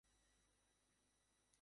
তুমিও ভুল করছো?